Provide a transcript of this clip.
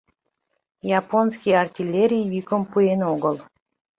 Японский артиллерий йӱкым пуэн огыл.